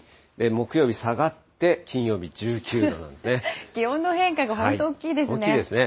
木曜日下がって、金曜日１９度な気温の変化が本当大きいです大きいですね。